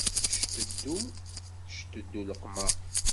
Cteddu, cteddu leqmer.